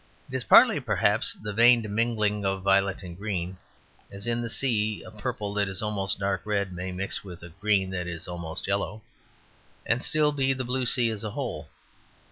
It is partly, perhaps, the veined mingling of violet and green, as in the sea a purple that is almost dark red may mix with a green that is almost yellow, and still be the blue sea as a whole.